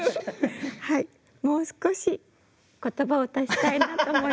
もう少し言葉を足したいなと思います。